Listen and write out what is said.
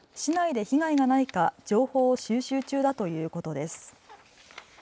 このほか市内で被害がないか情報を収集中だということです。